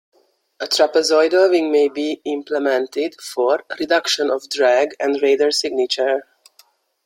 A trapezoidal wing may be implemented for reduction of drag and radar signature.